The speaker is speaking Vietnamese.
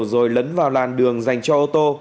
rồi lấn vào làn đường dành cho ô tô